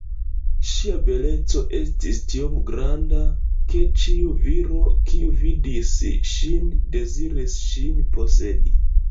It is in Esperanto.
Ŝia beleco estis tiom granda, ke ĉiu viro, kiu vidis ŝin, deziris ŝin posedi.